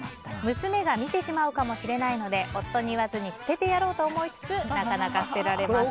娘が見てしまうかもしれないので夫に言わずに捨ててやろうと思いつつなかなか捨てられません。